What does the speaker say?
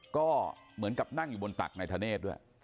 ก็เหมือนกับนั่งอยู่บนตักนายธเนธด้วย